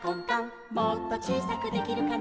「もっとちいさくできるかな」